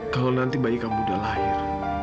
kalau nanti bayi kamu udah lahir